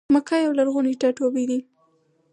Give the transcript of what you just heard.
مکه یو لرغونی ټا ټوبی دی.